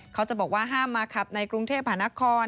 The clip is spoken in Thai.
เขาจะบอกว่าห้ามมาขับในกรุงเทพหานคร